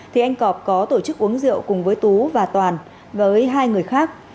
thì anh cọp có tổ chức uống rượu cùng với tú và toàn với hai người khác